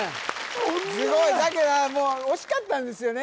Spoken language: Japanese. すごいさっきの惜しかったんですよね